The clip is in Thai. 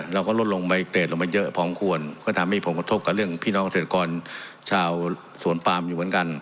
เราก็ลดลงใบเตรดลงมาเยอะพอควรก็ทำให้ผลกระทบกับเรื่องพี่น้องเกษตรกรชาวสวนปามอยู่เหมือนกัน